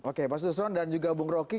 oke pak susron dan juga bung rocky